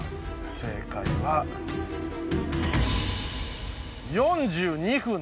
正解は４２分です。